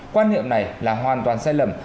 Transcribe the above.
quan niệm này là hoàn toàn sai lầm